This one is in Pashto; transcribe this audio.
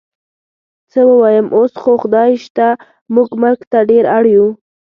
څه ووایم، اوس خو خدای شته موږ ملک ته ډېر اړ یو.